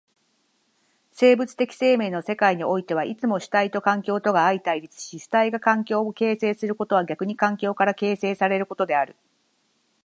生物的生命の世界においてはいつも主体と環境とが相対立し、主体が環境を形成することは逆に環境から形成せられることである。